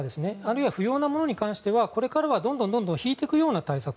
不要なものに関してはこれからはどんどん引いていくような対策